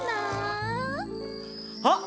あっ！